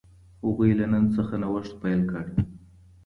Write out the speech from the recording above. هغوی له نن څخه نوښت پیل کړ.